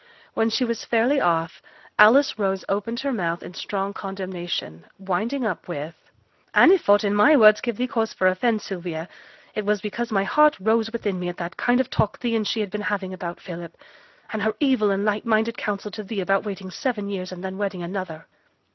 When she was fairly off, Alice Rose opened her mouth in strong condemnation; winding up with 'And if aught in my words gave thee cause for offence, Sylvia, it was because my heart rose within me at the kind of talk thee and she had been having about Philip; and her evil and light minded counsel to thee about waiting seven years, and then wedding another.'